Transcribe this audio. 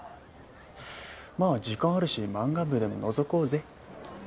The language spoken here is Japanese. まあ時間あるし漫画部でものぞこうぜ。